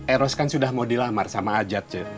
eros kan sudah mau dilamar sama ajat